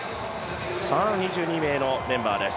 ２２名のメンバーです。